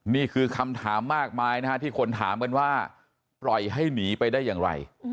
นี่คือคำถามมากมายนะฮะที่คนถามกันว่าปล่อยให้หนีไปได้อย่างไร